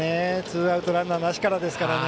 ツーアウトランナー、なしから。